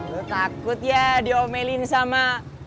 lu takut ya diomelin sama